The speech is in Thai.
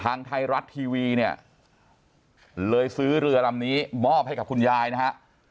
ทางไทยรัฐทีวีเนี่ยเลยซื้อเรือลำนี้มอบให้กับคุณยายนะฮะ